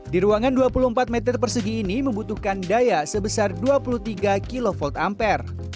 di ruangan dua puluh empat meter persegi ini membutuhkan daya sebesar dua puluh tiga kv ampere